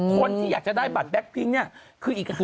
คนที่อยากจะได้บัตรแบบแบคพิ้งคืออีกกันครับ